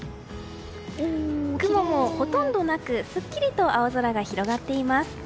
雲もほとんどなくすっきりと青空が広がっています。